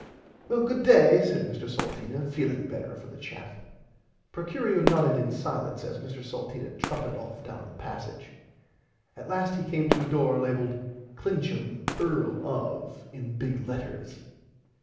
Well good day said Mr Salteena feeling better for the chat. Procurio nodded in silence as Mr Salteena trotted off down the passage. At last he came to a door labelled Clincham Earl of in big letters.